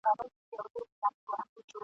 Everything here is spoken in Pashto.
مرګ د اوبو وار دی نن پر ما سبا پر تا ..